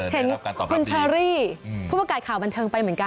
เห็นคุณเชอรี่ผู้ประกาศข่าวบันเทิงไปเหมือนกัน